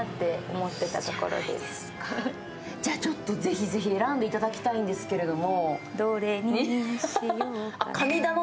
じゃあ、ぜひぜひ選んでいただきたいんですけれども。